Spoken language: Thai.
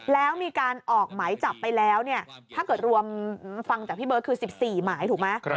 แล้วมีการออกหมายจับไปแล้วเนี่ยถ้าเกิดรวมฟังจากพี่เบิร์ตคือ๑๔หมายถูกไหม